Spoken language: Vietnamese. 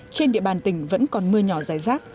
trên địa bàn tỉnh vẫn còn mưa nhỏ dài rác